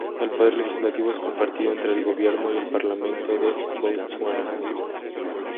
El poder legislativo es compartido entre el gobierno y el parlamento de Botsuana.